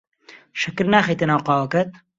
شەکر ناخەیتە ناو قاوەکەت.